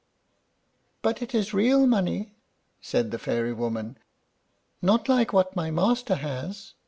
"But it is real money," said the fairy woman, "not like what my master has.